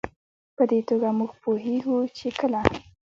په دې توګه موږ پوهېږو چې کله